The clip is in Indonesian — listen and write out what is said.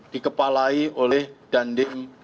dikepalai oleh dandim